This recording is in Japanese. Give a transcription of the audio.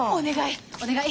お願い！